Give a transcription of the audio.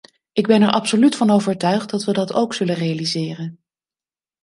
Ik ben er absoluut van overtuigd dat we dat ook zullen realiseren.